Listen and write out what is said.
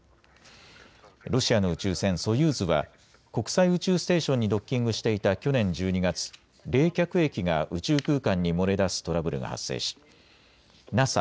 ロシアの宇宙船ソユーズは国際宇宙ステーションにドッキングしていた去年１２月、冷却液が宇宙空間に漏れ出すトラブルが発生しＮＡＳＡ